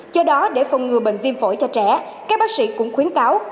do đó để phòng ngừa bệnh viêm phổi cho trẻ các bác sĩ cũng khuyến cáo